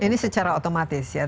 ini secara otomatis ya